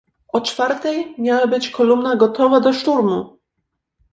"O czwartej miała być kolumna gotowa do szturmu."